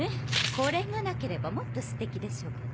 これがなければもっとステキでしょうけど。